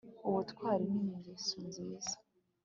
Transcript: Ubutwari ni ingeso nziza